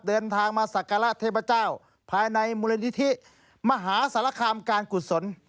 เดินทางมาศักระเทพเจ้าภายในมูลนิธิมหาสารคามการกุศล